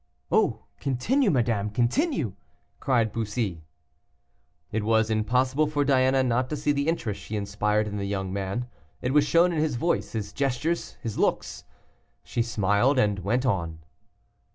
"Oh, continue, madame, continue," cried Bussy. It was impossible for Diana not to see the interest she inspired in the young man; it was shown in his voice, his gestures, his looks. She smiled, and went on.